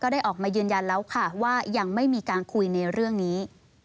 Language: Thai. ได้ออกมายืนยันแล้วค่ะว่ายังไม่มีการคุยในเรื่องนี้